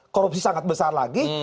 korupsi sangat besar lagi